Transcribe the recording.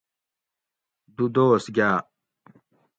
دو دوس گاۤ